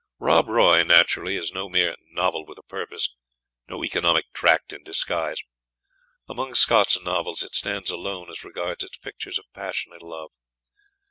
"Rob Roy," naturally, is no mere "novel with a purpose," no economic tract in disguise. Among Scott's novels it stands alone as regards its pictures of passionate love.